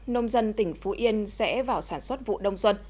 nông dân tỉnh phú yên sẽ vào sản xuất vụ đông xuân